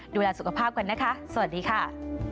ดูแลสุขภาพกันนะคะสวัสดีค่ะ